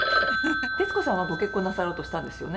「徹子さんはご結婚なさろうとしたんですよね？」